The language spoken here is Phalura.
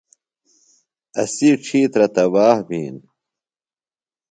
اسی ڇِھیترہ تباہ بِھین۔